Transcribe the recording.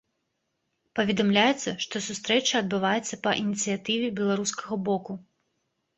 Паведамляецца, што сустрэча адбываецца па ініцыятыве беларускага боку.